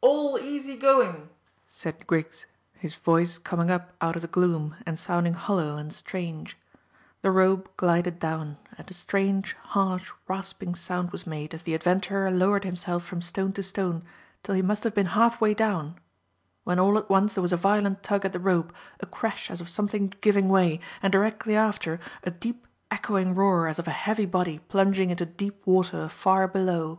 "All easy going," said Griggs, his voice coming up out of the gloom, and sounding hollow and strange. The rope glided down, and a strange, harsh, rasping sound was made as the adventurer lowered himself from stone to stone till he must have been half way down, when all at once there was a violent tug at the rope, a crash as of something giving way, and directly after a deep, echoing roar as of a heavy body plunging into deep water far below.